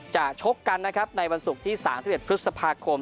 ชกกันนะครับในวันศุกร์ที่๓๑พฤษภาคม